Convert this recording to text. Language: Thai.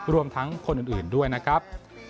รวมทั้งคนอื่นด้วยนะครับ